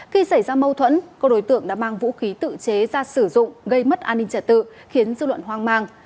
khi xảy ra mâu thuẫn các đối tượng đã mang vũ khí tự chế ra sử dụng gây mất an ninh trả tự khiến dư luận hoang mang